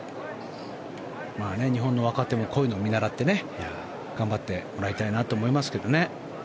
日本の若手もこういうのを見習って頑張ってもらいたいなと思いますけどね。